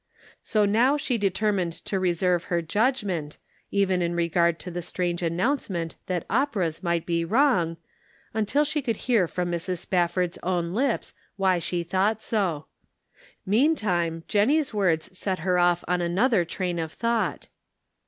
So now she deter mined to reserve her judgment, even in regard to the strange announcement that operas might be wrong, until she could hear from Mrs. Spafford's own lips why she thought so. Mean time Jennie's words set her off on another train of thought.